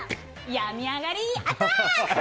病み上がりアタック！